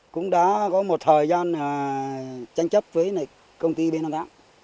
cũng đã có một thời gian tranh chấp với công ty bnđ